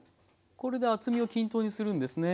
これで厚みを均等にするんですね。